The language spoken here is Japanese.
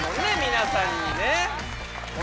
皆さんにね